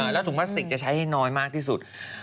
แล้วถุงพลาสติกจะใช้ให้น้อยมากที่สุด